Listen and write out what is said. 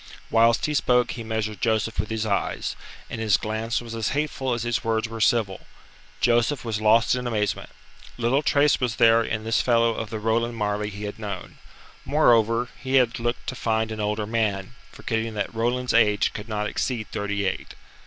Whilst he spoke he measured Joseph with his eyes, and his glance was as hateful as his words were civil. Joseph was lost in amazement. Little trace was there in this fellow of the Roland Marleigh he had known. Moreover, he had looked to find an older man, forgetting that Roland's age could not exceed thirty eight.